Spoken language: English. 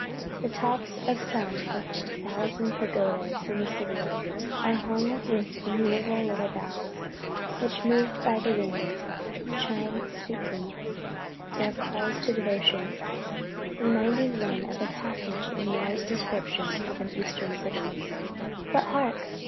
The tops of some of the thousand pagodas in the city, are hung with innumerable little bells, which, moved by the wind, chime sweetly their calls to devotion, reminding one of a passage in Moore's description of an eastern city: "But hark!